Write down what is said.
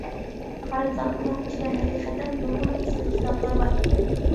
قارىسام، ئۇنىڭ ئىچىدە ھەقىقەتەن نۇرغۇن ئېسىل كىتابلار بار ئىكەن.